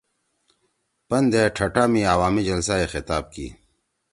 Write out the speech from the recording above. پندے ٹھٹہ می عوامی جلسہ ئے خطاب کی